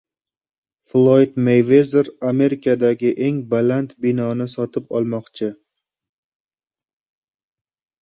Floyd Meyvezer Amerikadagi eng baland binoni sotib olmoqchi